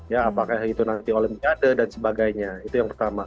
ya apakah itu nanti olimpiade dan sebagainya itu yang pertama